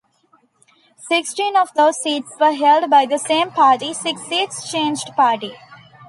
Sixteen of those seats were held by the same party, six seats changed party.